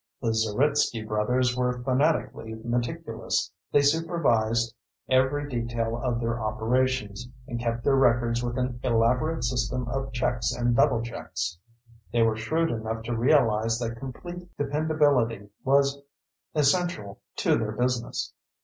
The Zeritsky Brothers were fanatically meticulous. They supervised every detail of their operations, and kept their records with an elaborate system of checks and doublechecks. They were shrewd enough to realize that complete dependability was essential to their business.